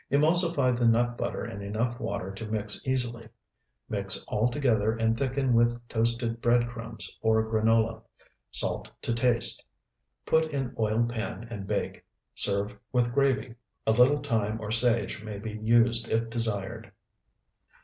Emulsify the nut butter in enough water to mix easily. Mix all together and thicken with toasted bread crumbs or granola. Salt to taste. Put in oiled pan and bake. Serve with gravy. A little thyme or sage may be used if desired.